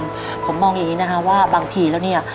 ผมมองอย่างนี้นะคะว่าบางทีแล้วเนี่ย